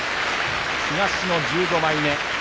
東の１５枚目。